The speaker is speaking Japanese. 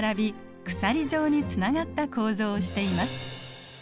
鎖状につながった構造をしています。